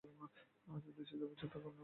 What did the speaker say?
আজ দেশ যা ভাবছে আমি তাকে রূপ দেব।